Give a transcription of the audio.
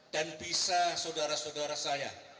dan bisa saudara saudara saya